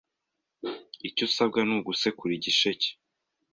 Icyo usabwa ni ugusekura igisheke